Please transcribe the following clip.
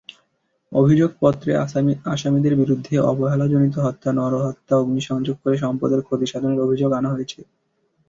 অভিযোগপত্রে আসামিদের বিরুদ্ধে অবহেলাজনিত হত্যা, নরহত্যা, অগ্নিসংযোগ করে সম্পদের ক্ষতিসাধনের অভিযোগ আনা হয়েছে।